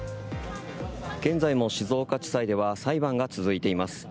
現在も静岡地裁では裁判が続いています。